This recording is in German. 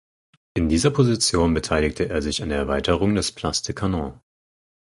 In dieser Position beteiligte er sich an der Erweiterung des Place des Canons.